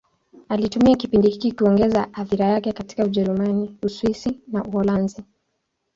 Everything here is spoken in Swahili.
Alitumia kipindi hiki kuongeza athira yake katika Ujerumani, Uswisi na Uholanzi.